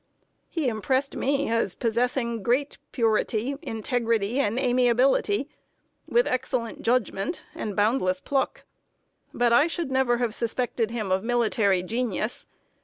He impressed me as possessing great purity, integrity, and amiability, with excellent judgment and boundless pluck. But I should never have suspected him of military genius.